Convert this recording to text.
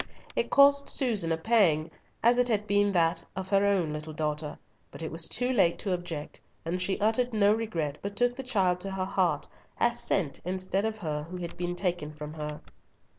It cost Susan a pang, as it had been that of her own little daughter, but it was too late to object, and she uttered no regret, but took the child to her heart, as sent instead of her who had been taken from her.